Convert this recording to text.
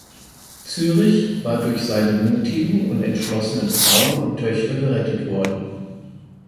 Zürich war durch seine mutigen und entschlossenen Frauen und Töchter gerettet worden.